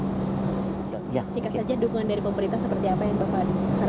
singkat saja dukungan dari pemerintah seperti apa yang bapak harapkan